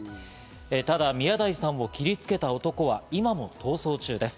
ただ、宮台さんを切りつけた男は今も逃走中です。